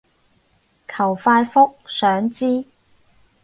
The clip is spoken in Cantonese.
求快覆，想知